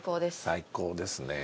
最高ですね。